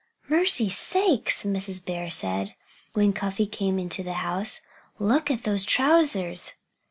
"Mercy sakes!" Mrs. Bear said, when Cuffy came into the house. "Look at those trousers!"